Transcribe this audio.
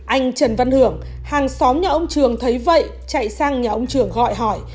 anh trần văn hưởng hàng xóm nhà ông trường thấy vậy chạy sang nhà ông trường gọi hỏi